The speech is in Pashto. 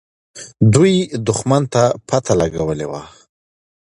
دوی دښمن ته پته لګولې وه.